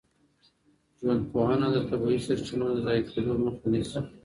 ژوندپوهنه د طبیعي سرچینو د ضایع کيدو مخه نیسي.